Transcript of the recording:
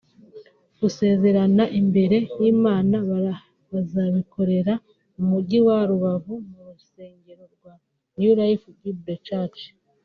Gusezerana imbere y’Imana bazabikorera mu Mujyi wa Rubavu mu rusengero rwa New Life Bible Church